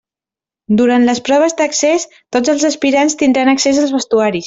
Durant les proves d'accés tots els aspirants tindran accés als vestuaris.